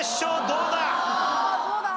どうだ？